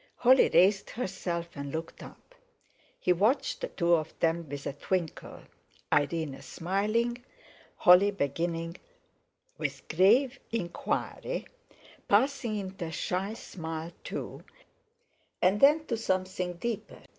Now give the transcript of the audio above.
Holly raised herself and looked up. He watched the two of them with a twinkle, Irene smiling, Holly beginning with grave inquiry, passing into a shy smile too, and then to something deeper.